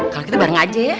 kalau kita bareng aja ya